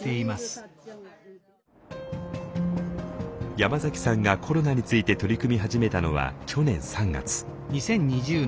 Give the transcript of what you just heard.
山崎さんがコロナについて取り組み始めたのは去年３月。